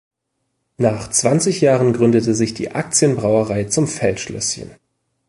Nach zwanzig Jahren gründete sich die „Aktienbrauerei zum Feldschlößchen“.